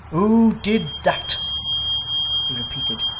'Who did that?' he repeated.